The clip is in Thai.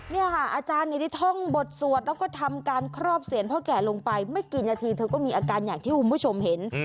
เนี่ยค่ะอาจารย์ได้ท่องบทสวดแล้วก็ทำการครอบเสียรพ่อแก่ลงไปไม่กี่นาทีเธอก็มีอาการอย่างที่คุณผู้ชมเห็น